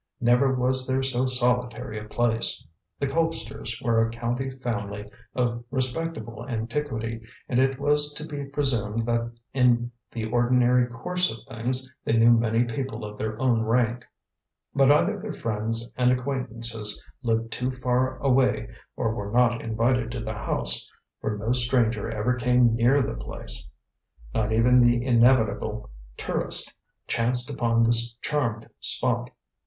Never was there so solitary a place. The Colpsters were a county family of respectable antiquity, and it was to be presumed that in the ordinary course of things they knew many people of their own rank. But either their friends and acquaintances lived too far away or were not invited to the house, for no stranger ever came near the place. Not even the inevitable tourist chanced upon this charmed spot.